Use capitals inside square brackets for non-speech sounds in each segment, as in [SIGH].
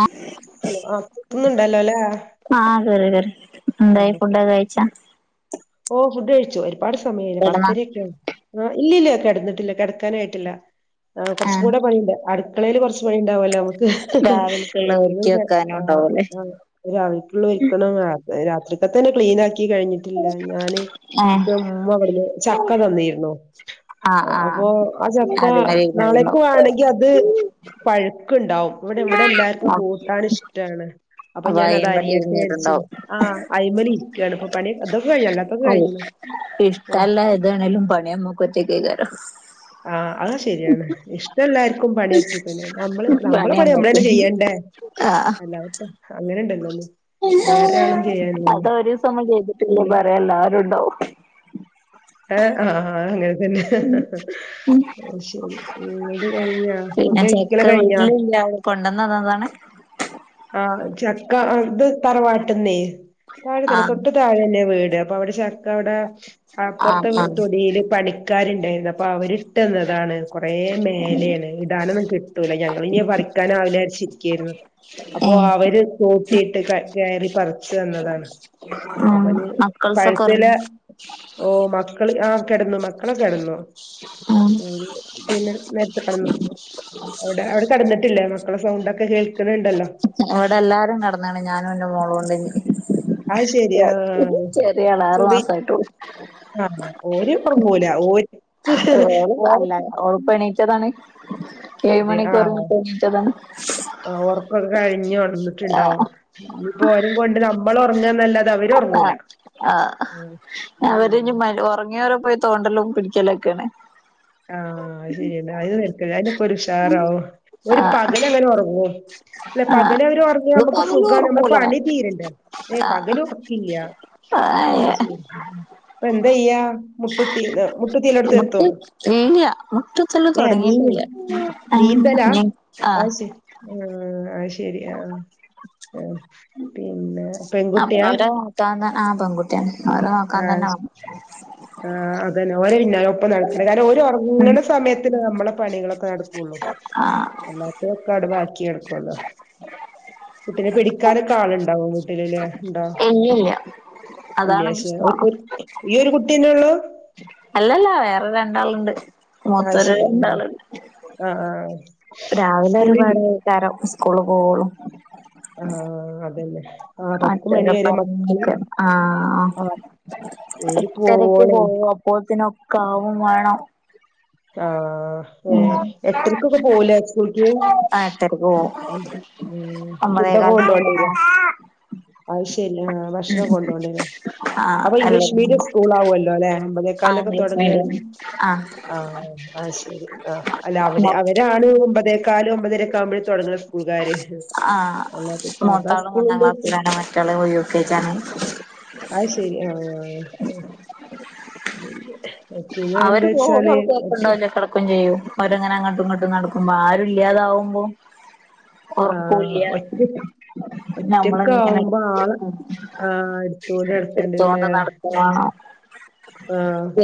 ആഹ് hello ആ കേക്കുന്നുണ്ടല്ലോ അല്ലേ ആഹ് ശെരി ശെരി [INAUDIBLE] ഉം. എന്തായി ഫുഡൊക്കെ കഴിച്ചാ ഓ ഫുഡ് കഴിച്ചു [UNINTELLIGIBLE] ഒരുപാട് സമയായില്ലേ കെടന്നോ പത്തെരെ ഒക്കെ ആയി ആഹ് ഇല്ലില്ല കിടന്നിട്ടില്ല കിടക്കാനായിട്ടില്ല കുറച്ചും ആഹ് കൂടെ പനി ഉണ്ട് ആട് ക്കളേല് കുറച്ച് പണി ഉണ്ടാവല്ലോ നമുക്ക് രാവിലക്കുള്ള ഒരുക്കി വെക്കാനും ഉണ്ടാവൂല്ലേ [UNINTELLIGIBLE] രാത്രിക്ക് തന്നെ ക്ലീൻ ആക്കി കഴിഞ്ഞിട്ടില്ല ഞാന് ഏഹ് ഇന്ക്ക് ഉമ്മ അവിടുന്ന് ചക്ക തന്നിരുന്നു ആഹ് ആഹ് അപ്പോ ആ ചക്ക അതുവരെ ഇരുന്നതുണ്ടാവും നാളെക്കാണെങ്കി അത് പഴുക്കുണ്ടാവും ഇവിടെ ഇവിടെ എല്ലാവർക്കും കൂട്ടാനിഷ്ടാണ് അവ [UNINTELLIGIBLE] വള്ളി ഇരുന്നിട്ടുണ്ടാവും ആഹ് അയിമല ഇരിക്കയാണ് ഇപ്പൊ പണി അതൊക്കെ കഴിഞ്ഞു അല്ലാത്തെക്കെ അല്ല കഴിഞ്ഞു ഇഷ്ടല്ല ഏതാണേലും [UNINTELLIGIBLE] ആഹ അതാ ശരിയാണ് ഇഷ്ടം എല്ലാർക്കും പണിയറ്റു പിന്നെ നമ്മ നമ്മളെ പണി നമ്മള തന്നെ ചെയ്യണ്ടേ അല്ലത്‌പ്പം അത ചെയ്യാനില്ലല്ലോ ഒരു ദിവസ മ്മ ചെയ്തിട്ടില്ല പിന്നെ പറയാ എല്ലാവരുണ്ടാവും ഹ ആഹ അത്‌ന്നെയാണ് അന്നെ ശരി അത് കഴിഞ്ഞാ പിന്നെ ഫുഡഡ് കഴിക്കല ചെക്ക കഴിഞ്ഞാ വീട്ടിലില്ല അവള് കൊണ്ടന്ന് തന്നതാണ് ആ അ ചക്ക അത് തറവാ ട്ട്ന്നെ താഴെ തന്നെ ആഹ് തൊട്ട് താഴെ തന്നെ വീട് അപ്പ അവിടെ ച ക്ക അവിടെ ആഹ് അപ്പുറത്തെ ആഹ് തൊടിയില് പണിക്കാരുണ്ടായിരുന്നു പ്പൊ അവര് കിട്ടുന്നതാണ് കുറേ മേലെയാണ് ഇടാണന്നും കിട്ട് കിട്ടൂല്ല ഞങ്ങൾ ഇനി പറിക്കാൻ ആളിനെവെച്ചിരിക്കുകയായിരുന്നു അപ്പോ ഏഹ് അവര് തോ ട്ടിട്ട് കയറി പറിച്ചു തന്നതാണ് ഉം അപ്പന് മക്കൾസൊക്കെ പഴത്തല ഒറങ്ങി ഓ മക്കള് ആ കെടന്നു മക്കളൊക്കെ കെടന്നു ഉം പിന്നെ നേരത്തെ കെടന്നു അവിടെ കെടന്നിട്ടില്ലേ മക്കള സൗണ്ടൊക്കെ കേ ക്കുന്നുണ്ടല്ലോ അവിടെ എല്ലാരും നടന്നാണ് ഞാനും എന്റെ മോള കൊണ്ട് അത് ശരി ചെറിയള് ആറു മാസ ആയിട്ടുള്ളൂ ആഹ ഓര് കൊങ്ങൂല ഓര് ഓള് അല്ല ഓള്പ്പ എണീറ്റതാണ് ഏഴ് അതെ മണിക്ക് ഒരു ആഹ് വട്ടം എണീച്ചതാണ് കഴിഞ്ഞോ ണന്നിട്ടുണ്ടോ ഇനിപ്പ ഓരും കൊണ്ട് ന മ്മളൊറങ്ങാന്നല്ലാ ആഹ് ആഹ് അങ്ങനെണ്ട് അവര് ഇനി മ ഉറങ്ങിയവരെ പോയി തോണ്ടലും പിടിക്കലൊക്കെയാണ് ആഹ് ശരിയണ്ട അയിന് [UNINTELLIGIBLE] അയിന് ഒരു ഉഷാറാവും ഓര് ആഹ് പകലങ്ങനെ ഉറങ്ങോ അല്ല ആഹ് പകലവരൊറങ്ങ്യാ ഇത് നമുക്ക് പകലും സുഗാണ് നമ്മളെ ഒറങ്ങൂല പണിതീരണ്ടെ ഏയ് പകലൊറക്കില്ല ആഹ് ശരി അപ്പെന്തയ്യാ മുട്ടുത്തി ന് മുട്ടുത്തി എല്ലാട്ത്തെത്തും ഇല്ല്യ മുട്ടുത്തല് തൊടങ്ങിട്ടില്ല ആഹ് ഞ് അഹ് ആഹ് ആഹ് അയ് ശെരി ആഹ് ആഹ് പിന്നെ അപ് പെൺകുട്ടിയാ അവരെ ട്ടാന്നെ ആ പെൺകുട്ടെന്നെ അവരവാ ആഷ് ആഹ് അതന്നെ ഓര പിന്നാലെ ഒപ്പം നടക്കണ് കാരം ഉം ഓരൊർങ്ങണ സമയത്തല്ലെ നമ്മള പണികളൊക്കെ നടക്കുള്ളൂ ആഹ് അല്ലാത്തൊക്കെ അടു ബാക്കി എടു ക്കൊള്ളോ കുട്ടിനെ പിടിക്കാനൊക്കെ ആള്ണ്ടാവോ ഇല്ല്യല്ലേ ഇല്ലല്ല്യ അതാണ് പ്രശ് ഒര് ഒരു ഈ ഒരു കുട്ട്യന്നേ ഉള്ളു അല്ലല്ല വേറെ രണ്ടാള്ണ്ട് ആഹ് മൂത്തൊര് ശരി രണ്ടാള്ണ്ട് ആഹ് ആഹ് രാവില സ്കൂളിൽ ഒരുപാട്കാരം സ്കൂള് പോവൊള്ളൂ ആഹ് അതന്നെ ആഹ് പത്ത് മണി മറ്റൊരെ വരെ മക്കള് പറഞ്ഞയക്ക ആ ആഹ് ഓര് എട്ടരക്ക് പോവോളെ പോവും അപ്പോത്തിനൊ ക്കാവും വേണം ആഹ് ഉം ഏഹ് എട്ടരക്കൊക്കെ പോവൂലെ സ്കൂൾക്ക് [INAUDIBLE] ആഹ് എട്ടരക്ക് പോവും ഫുഡൊക്കെ ഒമ്പതേകാലിന് കൊണ്ടോണ്ടിവരോ തൊടങ്ങും അഹ് ശരി ആഹ് ഭക്ഷണൊക്കെ ഉം കൊണ്ടോണ്ടിവരോ ആഹ് അപ്പൊ ഇംഗ്ലീഷ് എല്ലതും മീഡിയം സ്കൂളാവോലോല്ലേ ആഹ് ഇംഗ്ലീഷ് മീഡിയം ആഹ് ആഹ് അഹ് ശരി ആ അല്ല അവ്ടെ മൊ അവരാണ് ഒമ്പതേക്കാലും ഒമ്പതെരെക്കെ ആവുമ്പഴ് തൊടങ്ങണ സ്കൂൾകാര് ആഹ് അല്ലാത്ത സാധാ മൂത്താള് മൂന്നാം സ്കൂള്ണ്ട് [UNINTELLIGIBLE] ക്ലാസ്സിലാണ് മറ്റാള് യു കെ ജിയാണ് അയ് ശെരി ആഹ് ആഹ് [UNINTELLIGIBLE] മറ്റീനും അതെന്താച്ച കടക്കും ചെയ്യും അവരങ്ങനങ്ങട്ടും ഇങ്ങട്ടും നടക്കുമ്പോ ആരു ഇല്ലാതാവുമ്പോ ആഹ ഒറക്കൂല്ല ഒറ്റ നമ്മളിങ്ങനെ ഒറ്റക്കാവുമ്പആള് ആ എടുത്തോണ്ട് നടക്കണ്ട് ലേ എടുത്തോണ്ട് നടക്കും വാണം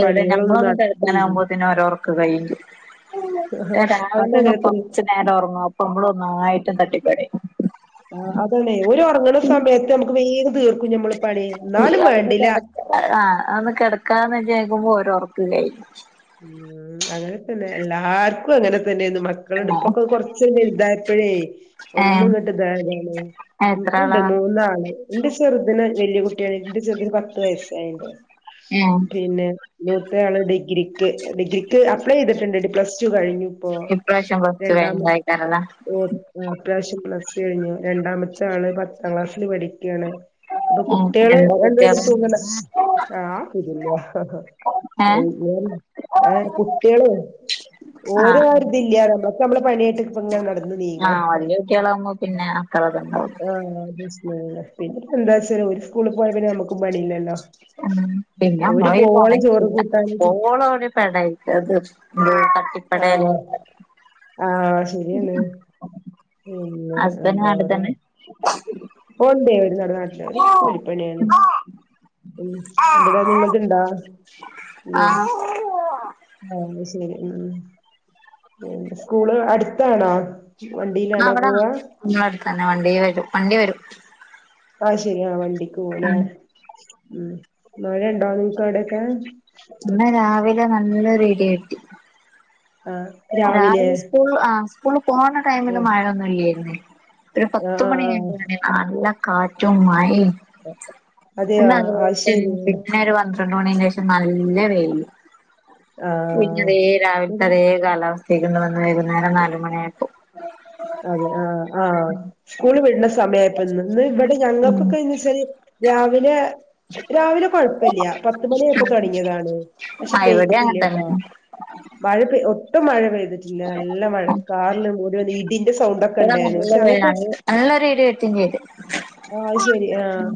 എവിടെ നമ്മളൊന്ന് കെടക്കാനാവുമ്പ ത്തെനും അവരോർ ക്കകയ്യും അതങ്ങനതന്നെ നേരം ഒറങ്ങും അപ്പൊ നമ്മള് ഒന്നായിട്ട് തട്ടിപ്പെടയും ആഹ് അതണെ ഓര് ഒറങ്ങണ സമയത്ത് നമക്ക് വേഗം തീർ കുളി ആ ഒന്ന് കെടക ആ ഒന്ന് കടക്കാ ന്ന് ജാര് കുമ്പോ ഓരോ ഒറകുല്ലേയിനു മ്മ് അങ്ങനെ തന്നെ എല്ലാർക്കും അങ്ങനെ തന്നേണ് മക്കള്ങ്ങട് ആണോ ഇപ്പൊക്കോന്നാ കൊറച്ചൊന്ന് വെൽതായപ്പഴേ ഒന്ന് ഏഹ് ങ്ങട്ട് ഇതായതാണ് എത്ര ഇൻക്കുണ്ട് ആളാ മൂന്നാള് ഇന്റെ ചെറുതിന് വെല്ല്യ കുട്ടിയയി ഇൻ്റെ ചെർതിന് പത്ത് വയസായീണ്ട് ഏഹ് പിന്നെ മൂത്തെയാള് ഡിഗ്രി ഡിഗ്രിക്ക് അപ്ലൈ ചെയ്തിട്ട്ണ്ട് പ്ലസ്ടു കഴിഞ്ഞു ഇപ്പോ ഇപ്രാവശ്യം പ്ലസ് ടു രണ്ടാമ കഴിഞ്ഞതായിക്കാരല്ലേ ആ ഇപ്രിവശ്യം പ്ല സ് ടു കഴിഞ്ഞു രണ്ടാമത്താള് പത്ത് പത്താം ക്ലാസ്സില് പഠി ക്കാണ് ഇപ്പൊ ഏഹ് കുട്ട്യാള് എന്താ എന്തൊരു കുട്ടികള് അ ആ സുഖല്ല ഏഹ് ഏ കുട്ടികള് ആഹ് ഓരാരു ഇതി ഇല്ല അമ്മക്ക അമ്മളെ പണിയായിട്ട് പ്പ ങ്ങനെ നടന്ന നീങ്ങാം ആഹ് വല്യ കുട്ടികളാകുമ്പോ പിന്നെ അത്ര ഇതുണ്ടാവില്ല ആ മൻസിലായിലെ പിന്നെ എന്താച്ചാല് ഓര് സ്കൂ പോയാപിന്നെ അമക് പണില്ലല്ലോ മ്മ് പിന്നെഅമ്മള കയ്യ് പോണേ ചോറ് കൂട്ടാന് കിട്ടൂല പാടായിക്കത് ആ ആ ശരിയാണ് മ്മ് ഹസ്ബൻ്റ് നാട്ട് തന്നെ ഓ ണ്ടേ ഓര് നട നാട്ടിലാ ഓര് കൂലിപ്പണിയാണ് മ്മ് ഇവടെ നിങ്ങൾത്ണ്ടാ ഇല്ലേ ആഹ് ആ ശരി മ്മ് സ്കൂള് അട്ത്താണോ ആ വെടെ ഞങ്ങളട്ത്തന്നെ വണ്ടീ വരും വണ്ടി വരും ആഹ് ശരി ആ വണ്ടി ണ്ടിക്ക് പോവുലെ ഉം മ്മ് മഴണ്ടോ നിങ്ങക്കവടെയൊക്കെ ഇന്ന് രാവിൽ നല്ലൊരിഢിയെട്ടി രാവിലെ സ്കൂള് ആ സ്കൂള് പോണ ടൈമില് ഉം മഴൊന്നും ഇല്ലേയിര്ന്ന് ഒരു ആഹ് പത്തുമണി ആഹ് ആയീണ്ടായീനി നല്ല കാറ്റും മയിം [UNINTELLIGIBLE] ആഹ് അതെയോ അത് ശരി [UNINTELLIGIBLE] മണിന്റെ ശേഷം നല്ല വെയില് പിന്നെ ആഹ് ഏ രാവിൽത്തെ അതേ [UNINTELLIGIBLE] [UNINTELLIGIBLE] വൈകുന്നേരം നാല് മണി ആയപ്പോ അതെ ആ ആ സ്കൂള് വിടുന്ന സമയം ആയപ്പ ഇന്ന് ഇവിടെ ഉം ഞങ്ങൾക്കൊക്കെന്ന് വെച്ചാല് രാവിലെ രാവിലെ കൊഴപ്പില്ല പത്തുമണി ആയപ്പോ തൊടങ്ങിയതാണ് പക്ഷെ ആ ഇവിടേം അങ്ങൻ തന്നെ പെയ്തിട്ടില്ലട്ടാ മഴ മഴ പെയ്തിട്ടില്ല നല്ല മഴക്കാറില് മൂടി ഇടിന്റെ സൗണ്ടൊക്കെ ഇടെ ഉണ്ടായിരുന്നു നല്ല പക്ഷെ വ അങ്ങനത്തെ നല്ലൊരു ഇടി വെട്ടിയേം ചെയ്ത് ആ അത് ശരി ആഹ്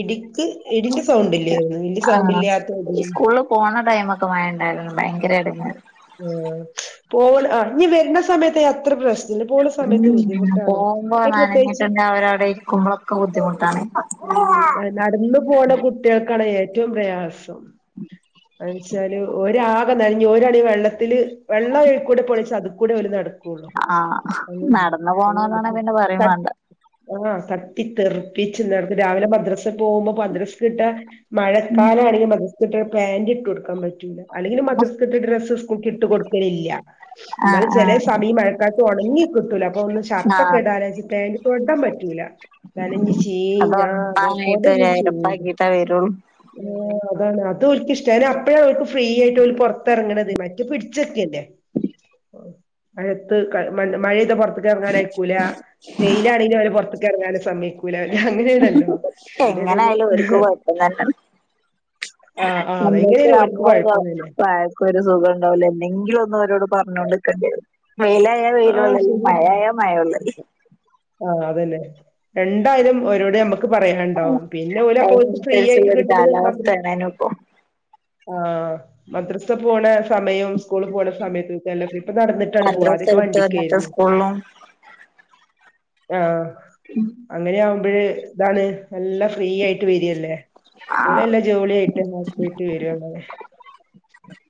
ഇടി ഉം ഇടീന്റെ സൗണ്ട്ല്ലായിനു ഇടിന്റെ സൗണ്ട് ആഹ് ഇല്ലാത്തത് സ്കൂളിൽ പോണ ടൈമൊക്കെ മയേണ്ടായിരുന്ന് ഭയങ്കര ഇടങ്ങേ ഉം പോട് ആ നീ വരുന്ന സമയത്തെ ഉ പോകുമ്പോ ഈ പ്രത്യേകിച്ച് നനഞ്ഞിട്ടുണ്ടേ അവരവിടെ ഇരിക്കുമ്പോളൊക്കെ ബുദ്ധിമുട്ടാണ് ഉ നടന്നു പോണ കുട്ടികൾക്കാണ് ഏറ്റവും പ്രയാസം എന്ന് വെച്ചാല് ഒരാ അത് നനഞ്ഞു ഒരടി വെള്ളത്തില് വെള്ളം ഏയ്‌ക്കൂടെ പോണ്ച്ചാ അത്ക്കൂടെ ഓല് നട ആഹ് നടന്നു പോണോലാണെൽ പിന്നെ പറയും അങ്ങനെണ്ട് വാണ്ട ആഹ് തട്ടിത്തെറുപ്പി ച്ച് രാവിലെ മദ്രസേ പോവുമ്പോ മദ്രസ്ക്കിട്ട മഴക്കാലാണെങ്കി മതി കുട്ടിയള് പാൻ്റിട്ടൊടുക്കാൻ പ അല്ലെങ്കിലും മദ്രസ്സ്ക്കിട്ട ഡ്രസ്സ്‌ സ്കൂൾക്കിട്ടു കൊടുക്കലില്ല, ആഹ് എന്നാലും ചെലേ ആഹ് സമയം ഈ മഴക്കാല ഒണങ്ങി കിട്ടൂല, അപ്പൊ ഒന്ന് ഷർട്ടൊക്കെ ആഹ് ഇടാനാച്ച്, പാന്റ് തൊടാൻ പറ്റൂല, നനഞ്ഞ് [UNINTELLIGIBLE] അത് ഒറപ്പായിട്ടും കൊടേന്ന് ഓലെരപ്പാക്കീട്ടെ വരൊള്ളു അ അതാണ് ഓൽക്കിഷ്ടാ അയ്ന് അപ്പഴാ ഫ്രീ ആയിട്ട് ഓല് പൊറത്തിറങ്ങണത് മറ്റ പിടിച്ചക്കല്ലേ മഴയ്താ പുറത്ത് പുറത്ത്ക്കറങ്ങാനയ്ക്കൂല വെയിലാണെങ്കിലും അവര് പുറത്ത്ക്കറങ്ങാന സമ്മയ് [UNINTELLIGIBLE] എങ്ങനെ ഇടയില് ആയാലും അവർക്ക് കുഴപ്പം തന്നെ ആഹ് ആഹ് നമ്മക്ക് എങ്ങനെയാലും ഓർക്ക് നമ്മളെ കുഴപ്പം തന്നെ വായക്ക് ഒരു സുഖം ഉൺണ്ടാവൂല എന്തെങ്കിലും ഒന്ന് അവരോട് പറഞ്ഞോണ്ട്ക്കണ്ടേരും വെയില് വെയിലയ ആഹ് വെയിലൊള്ളൽ ശരിയാ മഴായ മഴഒള്ളല് ആഹ് അതന്നെ രണ്ടായലും ഒരോട് നമ്മ ക്ക് പറയാണ്ടാവും പിന്നെ ഓല് അപ്പൊ ഓൽക്ക് ഫ്രീ അയിനനുസരിച്ചുള്ള ആയിട്ട് ഒരു കിട്ടുന്നത് മാത്രം കാലാവസ്ഥയാണേനുപ്പോ ആ മദ്രസ്സ പോണ സമയം സ്കൂൾക്കു പോണ സമയത്തക്ക് ഇപ്പൊ നടന്നിട്ടാ പോക ത്ത് ഇന്നത്തെ സ്കൂളും ആഹ് അങ്ങനെയാവു മ്പഴ് ഇതാണ് നല്ല ഫ്രീ ആയിട്ട് വെര് ല്ലേ ആ ഓല് അല്ല ജോളിയായിട്ട് നോക്കീട്ട് വരാണ്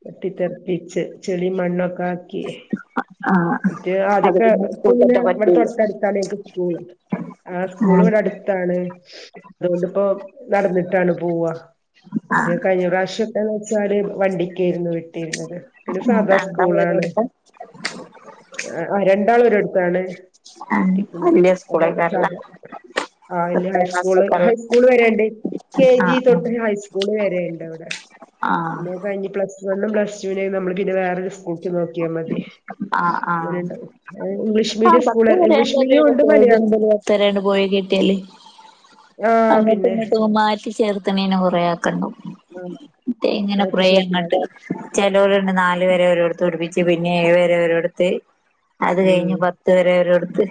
[UNINTELLIGIBLE] പിച്ച് ചെളി മണ്ണൊക് കാക്കി ആ മറ്റേ അത് ആദ്യക്കെ പിന്നെ ഇപ്പം പിന്നെ സ്കൂൾക്കറ്റെ ഇവടെ പറ്റൂല തൊട്ടടുത്താണ്, എനിക്ക് സ്കൂൾ, ആ സ്കൂള് ഇവിടെ അടുത്താണ്, അതോണ്ട്പ്പൊ നടന്നിട്ടാണ് പോവാ, മറ്റേ കഴിഞ്ഞ പ്രാവശ്യയൊക്കെന്ന് വെച് സാല് വണ്ടി ക്കെയിരുന്നു വിട്ടിരുന്നത്, പിന്നെ ഉം സാധാ രണ്ടാളും സ്കൂളാണ്. ഒരിടത്ത് ആ ആ രണ്ടാളൊരോട് താണ് ഉം ത്തിക്ക്ന്നത് വല്യ അപ്പം സാധ സ്കൂളേക്കാരല്ലേ ആ വല്യ പത്താം ഹൈസ്കൂൾ ക്ലാസ്സൊക്കെള്ള ഹൈസ്കൂൾ വരെ ഇണ്ട് ആ കെജി തൊട്ട് ഹൈസ്കൂൾ വരെ ഇണ്ട് അവ്ടെ ആ പിന്നെ അയ് കഴിഞ്ഞ് പ്ലസ് വണ്ണും പ്ലസ്ടുനെയിനി നമ്മൾ പിന്നെ വെറെ ഒര് സ് കൂട്ടി നോക്കിയാ മതി ആ ആ അങ്ങനെണ്ട് ഇംഗ്ലീഷ് ആ മീഡിയം പത്ത് സ്കൂള് ഇംഗ്ലീഷ് മീഡിയം വരേണ്ടെതായാലും ഉണ്ട് മലയാളം പോയത്മുതൽ പത്തരേണ്ട് പോയി കിട്ട്യാല് ആഹ് അങ്ങട്ടും പിന്നെ ഇങ്ങട്ടും മാറ്റി ചേർത്ത്ണെന് കൊറെ ആ ക്കണം ആഹ് മറ്റെയ് ഇങ്ങനെ മാറ്റി കൊറെ ചേർക്കലാ അങ്ങട്ട് പറിം ചെലോരൊ പിന്നെ നാല് വരെ ഒരോട് ത്ത് പഠിപ്പിച്ച് പിന്നെ ഏഴ് വെരെ ഒരോട്ത്ത് അത് ഉം കഴിഞ്ഞ് പത്ത് വെരെ അവരോട് ത്ത്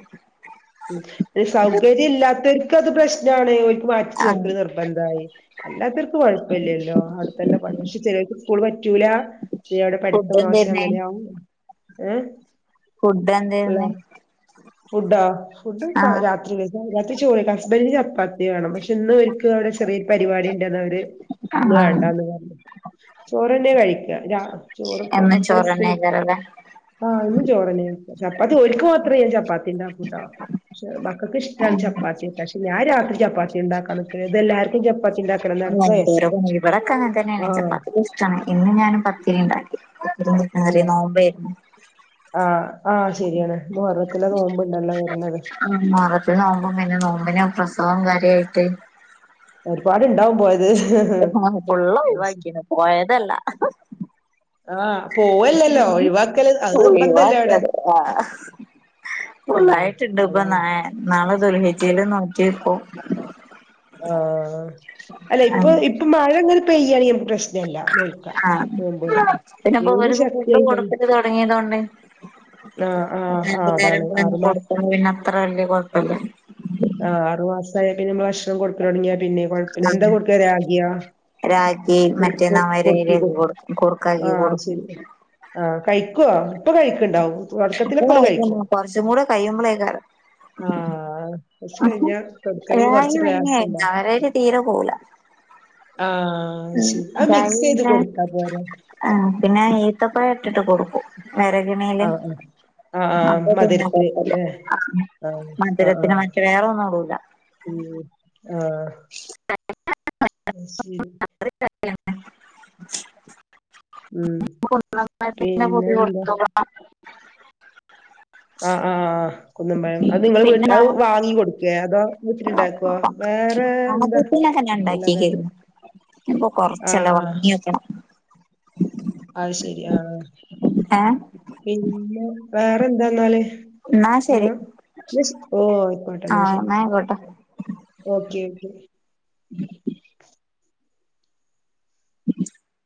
ഉം ഇ സൗകര്യം ഇല്ലാത്ത് ക്കെ അത് പ്രശ്നാണ് ഓൽ മാറ്റി ചേർക്കല് അങ്ങനെ നിർബന്ധായി അല്ലാത്തവർക്ക് കുഴപ്പില്ലല്ലോ അടുത്തൊല്ലം പക്ഷ ചില കുള് പറ്റൂല നീ അവിടെ പഠിപ്പ് ഫുഡ് മോശ എന്തേര്ന്ന് അങ്ങനെയാവും ഏ ഫുഡ് എന്തായ്രുന്നെ ഫുഡാ ഫുഡ്‌ ഉണ്ടാ രാത്രിയിന് [UNINTELLIGIBLE] ചോറ് കഴിക്കും ഹസ്ബൻഡിന് ചപ്പാത്തി വേണം പക്ഷെ എന്നും എനിക്ക് അവിടെ ചെറിയ പരിപാടി ഇണ്ട്ന്ന് പറ ആഹ് വേണ്ടാന്നു പറഞ്ഞു ചോറന്നെ കഴിക്കുക ചോറൊക്കെ എന്നും മക്കള് സ്കൂളി പോയി ചോറന്നേക്കാരല്ലേ ആ ചോറന്നെ ചപ്പാത്തി ഒരിക്കെ മാത്രമേ ഞാൻ ചപ്പാത്തി ഉണ്ടാക്കുട്ടാ പക്ഷെ മക്കൾക്ക് ഇഷ്ടമാണ് ചപ്പാത്തി പക്ഷെ ഞാൻ രാത്രി ചപ്പാത്തി ഉണ്ടാക്കാൻ നിക്കില്ല ഇന്ന് എല്ലാർക്കും ചപ്പാത്തി ഉണ്ടാക്ക എന്തോരോ ഇവിടൊക്കെ അങ്ങെനെ തന്നെയാണ് ആഹ് ചപ്പാത്തി ഇഷ്ടമാണ് ഇന്ന് ഞാനും പത്തിരി ഉണ്ടാക്കി ആരെ നോമ്പേ ആഹ ആഹ ശരിയാണ് ഇന്ന് പറഞ്ഞപ്പോലെ തന്നെ നോമ്പുണ്ടല്ലോ അല്ലെ ഇവനെ പ്രസവം കാര്യായിട്ട് ഒരുപാട് ഉണ്ടാകും പോയ ആ ഫുള്ള് ഒഴിവാക്കിയത് പോയതല്ല ആഹ അവിടെ ഒഴിവാക്കിയത് ആഹ് ഫുള്ളായിട്ടുണ്ട് ഇപ്പ അതാണ് നാളെ ദുൽഹജിൽ നോറ്റിപ്പോ [INAUDIBLE] ഇപ്പോ അല്ല ഇപ്പൊ മഴയിങ്ങ പെയ്യാണെങ്കി പ്രശ്നല്ല നോൽക്കാം ആ നോമ്പോൽക്കാം പിന്നെപ്പോ വെയില് ഇവർക്ക് ഫുഡ് ശക്തിയായി കഴിഞ്ഞ കൊട്ക്കല് തൊടങ്ങിയ തൊണ്ട് ആഹ് ആഹ് ആഹ് നേരത്തിന് നേരം അതാണ് പർഞ്ഞ് ആറുമാസം കൊട്ക്ക് ണോണ്ട് പിന്നെ അത്ര വല്യ കൊഴപ്പല്ല [UNINTELLIGIBLE] ഡും കൊട്ക്കലൊട്ങ്ങ്യാ പിന്നെ കൊഴപ്പല്ല എന്താ കൊട്ക്കാ രാഗ്യോ രാഗി കു മറ്റേ കു കുറുക്കി നവരയിലേക്ക് കൊടുക്കും ആ കുറുക്കാക്കി കൊടുക്കും ശെരി ആ കഴിക്കോ അപ്പ കഴിക്ക്ണ്ടാവും തൊടക്കത്തിലൊക്കെ ഓല് കയിക്കും കൊടുക്കണെങ്കി കൊറച്ച് [UNINTELLIGIBLE] പ്രയാസണ്ടാവും അവരായിട്ട് തീരെ പോവൂല ആഹ് അത് ശരി [UNINTELLIGIBLE] അത് മിക്സ് ചെയ്ത് കൊടുത്താ പോരെ ആ പിന്നെ ഈന്തപ്പഴം ഇട്ടിട്ട് കൊടുക്കും [INAUDIBLE] വരഗ്ണേല് ആഹ് ആഹ് ആഹ് ആഹ് അപ്പ പിന്നെ മധുരത്തിന് കൊഴപ്പല്ല ല്ലേ ആഹ് ആഹ് മധരത്തിന് ആഹ് മറ്റേ വേറോന്നുടൂല ഉം [UNINTELLIGIBLE] അ ശരി [UNINTELLIGIBLE] ഉം [UNINTELLIGIBLE] പിന്നെ പൊടി പിന്നെന്താ കൊട്ത്തോളാം ആ ആ കുന്നും പഴം അത് നിങ്ങള് വീട്ട അഅ് വാങ്ങി കൊട്ക്കേ അതോ വീട്ടിലുണ്ടാക്കുവോ വേറെ [UNINTELLIGIBLE] എന്താ ആദ്യത്തിലൊക്കെ ഞാനി ണ്ടാ കേക്കേ ഉള്ളതന്നെ ര്നു ഇപ്പൊ കൊർച്ചല്ലേ വാങ്ങ്യോക്കണം അഅ് ശെരി ആ ആ ഏഹ് പിന്നെ വേറെന്താന്നാല് എന്നാ ശരി ന്ന ശെ ഓഐക്കോട്ടന്നാ ആഹ് ശെരി എന്നാ ആയിക്കോട്ടെ ഓ ഓക്കേ ഓക്കേ [INAUDIBLE] [INAUDIBLE]